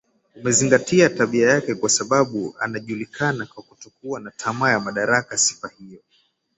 umezingatia tabia yake Kwa sababu anajulikana kwa kutokuwa na tamaa ya madaraka sifa hiyo